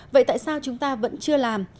vậy tại sao chúng ta vẫn chưa làm